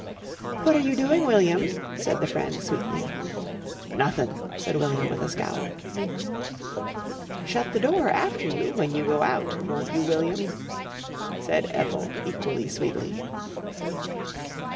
"What are you doing, William?" said the friend sweetly. "Nothin'," said William with a scowl. "Shut the door after you when you go out, won't you, William?" said Ethel equally sweetly.